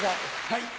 はい。